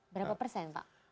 berapa persen pak